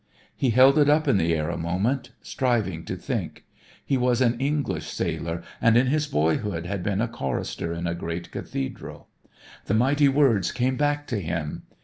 He held it up in the air a moment striving to think. He was an English sailor and in his boyhood had been a chorister in a great Cathedral. The mighty words came back to him.